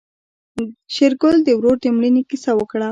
شېرګل د ورور د مړينې کيسه وکړه.